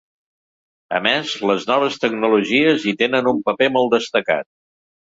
A més, les noves tecnologies hi tenen un paper molt destacat.